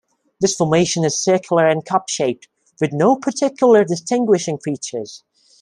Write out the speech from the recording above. This formation is circular and cup-shaped, with no particular distinguishing features.